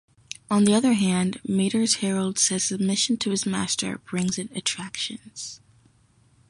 On the other hand, Matur's herald says submission to his master brings its attractions.